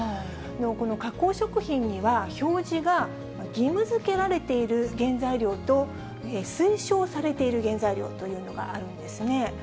この加工食品には、表示が義務づけられている原材料と、推奨されている原材料というのがあるんですね。